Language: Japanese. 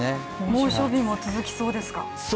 猛暑日も続きそうですか？